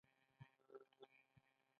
آیا او یوځای پاتې نشي؟